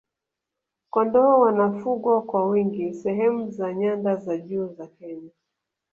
kondoo wanafugwa kwa wingi sehemu za nyanda za juu za kenya